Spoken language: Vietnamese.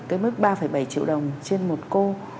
cái mức ba bảy triệu đồng trên một cô